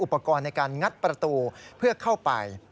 อุปกรณ์ในการงัดประตูเพื่อเข้าไป